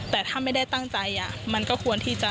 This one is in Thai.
แต่ถ้าไม่ได้ตั้งใจมันก็ควรที่จะ